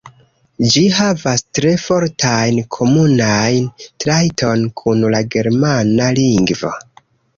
Ĝi havas tre fortajn komunajn trajtojn kun la germana lingvo.